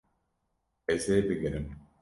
Ez ê bigirim